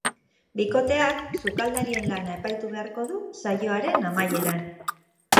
Bikoteak sukaldarien lana epaitu beharko du saioaren amaieran.